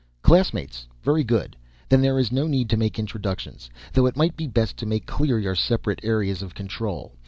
"Classmates. Very good then there is no need to make introductions. Though it might be best to make clear your separate areas of control.